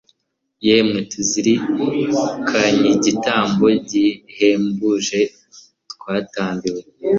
Yemwe Tuzirikanyigitambo gihebuje twatambiwe